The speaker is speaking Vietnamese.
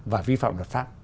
và vi phạm luật pháp